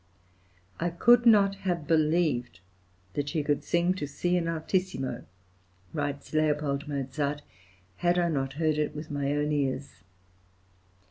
"I could not have believed that she could sing to C in altissimo," writes L. Mozart, "had I not heard it with my own ears.